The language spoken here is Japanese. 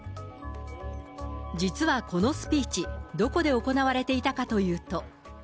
実はこのスピーチ、どこで行われていたかというと。